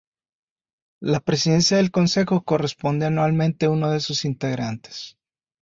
La presidencia del Consejo corresponde anualmente uno de sus integrantes.